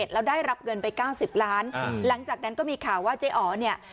แล้วได้รับเงินไป๙๐ล้านหลังจากนั้นก็มีข่าวว่าเจ๊อ๋อเนี่ย